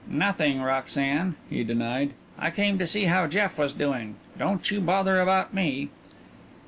"Nothing, Roxanne," he denied. "I came to see how Jeff was doing. Don't you bother about me."